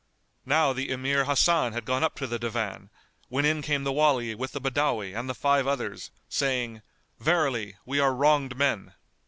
Now the Emir Hasan had gone up to the Divan, when in came the Wali with the Badawi and the five others, saying, "Verily, we are wronged men!"